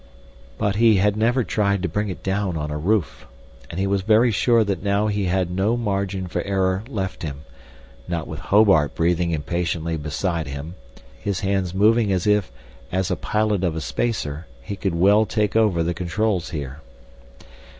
But he had never tried to bring it down on a roof, and he was very sure that now he had no margin for error left him, not with Hobart breathing impatiently beside him, his hands moving as if, as a pilot of a spacer, he could well take over the controls here.